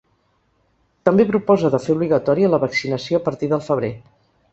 També proposa de fer obligatòria la vaccinació a partir del febrer.